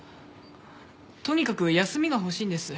とにかく休みが欲しいんです。